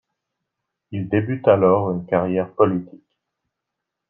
Il débute alors une carrière politique.